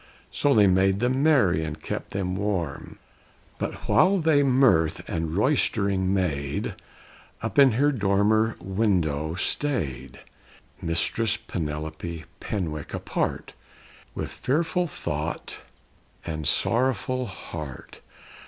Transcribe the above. So they made them merry and kept them warm. But while they mirth and roistering made, Up in her dormer window stayed Mistress Penelope Penwick apart, With fearful thought and sorrowful heart.